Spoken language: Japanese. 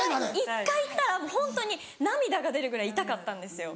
一回行ったらホントに涙が出るぐらい痛かったんですよ。